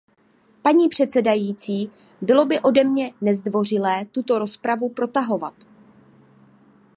Paní předsedající, bylo by ode mě nezdvořilé tuto rozpravu protahovat.